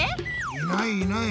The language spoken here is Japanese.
いないいない。